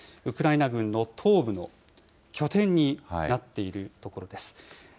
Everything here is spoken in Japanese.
ウクライナ軍の東部の拠点になっている所です。